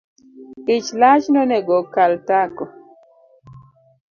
Ich lach nonego okal tako